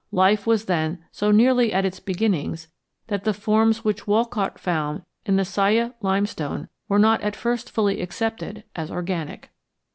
Life was then so nearly at its beginnings that the forms which Walcott found in the Siyeh limestone were not at first fully accepted as organic.